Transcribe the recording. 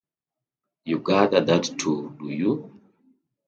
You gather that too, do you?